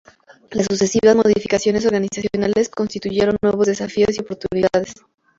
Las sucesivas modificaciones organizacionales constituyeron nuevos desafíos y oportunidades.